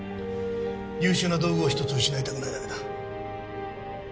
優秀な道具をひとつ失いたくないだけだ。